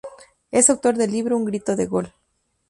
Es autor del libro "Un grito de gol.